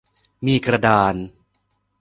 มีกระดาน